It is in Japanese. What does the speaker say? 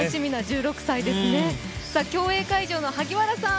競泳会場の萩原さん